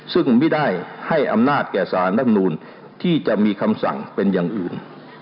ซึ่งไม่ได้ให้อำนาจแก่สารรับนูลที่จะมีคำสั่งเป็นอย่างอื่น